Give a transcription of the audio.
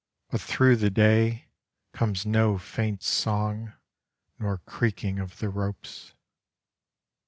But through the day, Comes no faint song, nor creaking of the ropes.